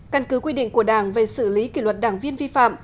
căn cứ quy định của đảng về xử lý kỷ luật đảng viên vi phạm